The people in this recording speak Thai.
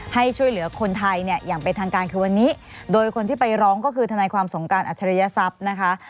ให้ช่วยเหลือคนไทยเนี่ยอย่างเป็นทางการคือวันนี้โดยคนที่ไปร้องก็คือทนายความสงการอัจฉริยศัพย์นะคะ